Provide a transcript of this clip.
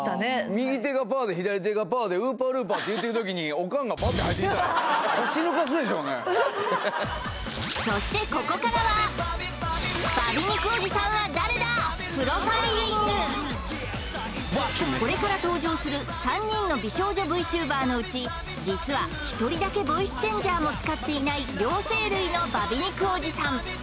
右手がパーで左手がパーでウーパールーパーって言うてるときにそしてこれから登場する３人の美少女ＶＴｕｂｅｒのうち実は１人だけボイスチェンジャーも使っていない両声類のバ美肉おじさん